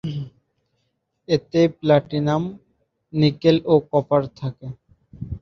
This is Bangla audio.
এতে প্লাটিনাম, নিকেল ও কপার থাকে।